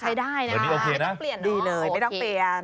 ใช้ได้นะคะไม่ต้องเปลี่ยนเนอะโอเคใช้ได้นะคะดีเลยไม่ต้องเปลี่ยน